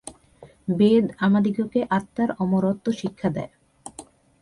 বেদ আমাদিগকে আত্মার অমরত্ব শিক্ষা দেয়।